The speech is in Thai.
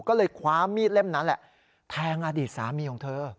ก็เลยคว้ามีดเล่มนั้นแหละแทงอดีตสามีของเธอ